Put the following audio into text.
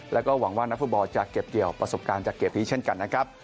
แล้วก็หวังว่านักฟุตบอลจะเก็บเกี่ยวประสบการณ์จากเกมนี้เช่นกันนะครับ